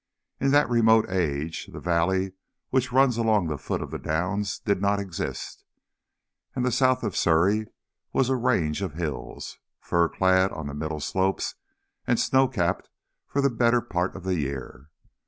In that remote age the valley which runs along the foot of the Downs did not exist, and the south of Surrey was a range of hills, fir clad on the middle slopes, and snow capped for the better part of the year.